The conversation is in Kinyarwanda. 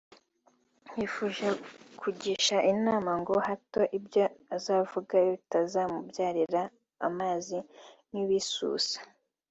yifuje kugisha inama ngo hato ibyo azavuga bitazamubyarira amazi nk’ibisusa